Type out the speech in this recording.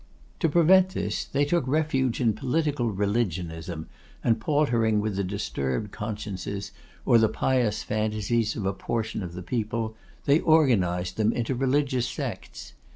To prevent this they took refuge in political religionism, and paltering with the disturbed consciences, or the pious fantasies, of a portion of the people, they organised them into religious sects.